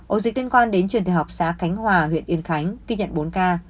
ổ dịch liên quan đến trường đại học xã khánh hòa huyện yên khánh ghi nhận bốn ca